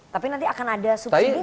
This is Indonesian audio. tapi nanti akan ada subsidi